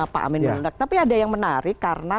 saya menundak tapi ada yang menarik karena